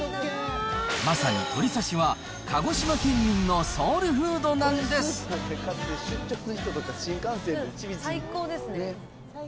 まさに鳥刺しは鹿児島県民のソウルフードなんです。